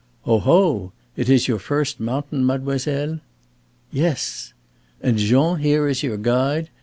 "Oho! It is your first mountain, mademoiselle?" "Yes." "And Jean here is your guide.